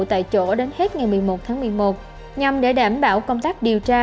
tại chỗ đến hết ngày một mươi một tháng một mươi một nhằm để đảm bảo công tác điều tra